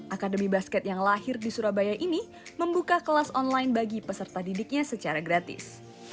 akademi basket yang lahir di surabaya ini membuka kelas online bagi peserta didiknya secara gratis